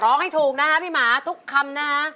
ร้องให้ถูกนะครับพี่หมาทุกคำนะครับ